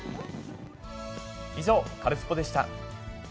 以上、カルスポっ！でした。